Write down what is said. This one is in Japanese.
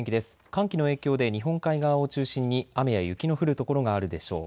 寒気の影響で日本海側を中心に雨や雪の降る所があるでしょう。